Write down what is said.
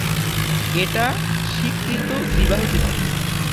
এটা স্বীকৃত বিবাহ তীর্থ।